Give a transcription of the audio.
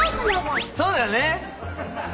そうだよね。